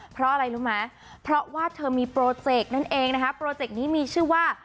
เพราะอะไรรู้ไหมเพราะว่าเธอมีโปรเจกต์นั่นเองนะคะโปรเจกต์นี้มีชื่อว่า